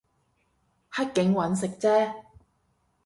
黑警搵食啫